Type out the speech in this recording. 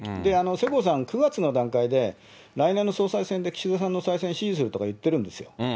世耕さん、９月の段階で、来年の総裁選で岸田さんの再選を支持するとか言ってるんですよ。